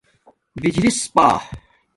بجلس پݳ